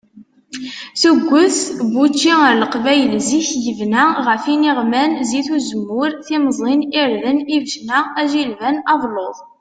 Tuget n wučči ar leqbayel zik yebna ɣef iniɣman, zit uzemmur, timẓin, irden, lbecna, ajilban, abelluḍ.